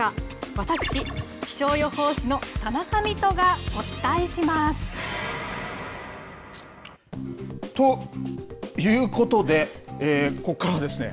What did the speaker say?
私、気象予報士の田中美都がということでここからはですね